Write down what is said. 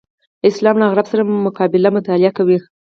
اسلام له غرب سره مقابلې مطالعه کوي.